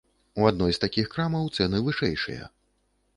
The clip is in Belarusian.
У адной з такіх крамаў цэны вышэйшыя.